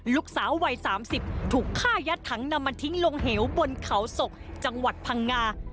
ลูกสาววัย๓๐ถูกฆ่ายัดถังนำมาทิ้งลงเหวบนเขาศกจังหวัดพังงา